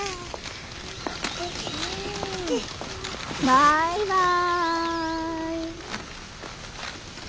バイバイ。